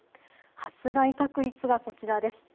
発雷確率がこちらです。